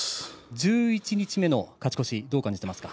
十一日目の勝ち越し、どう思っていますか。